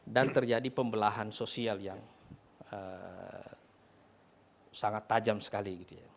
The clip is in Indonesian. dan terjadi pembelahan sosial yang sangat tajam sekali